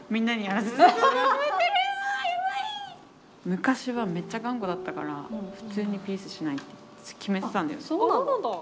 昔はめっちゃ頑固だったから普通にピースしないって決めてたんだよね。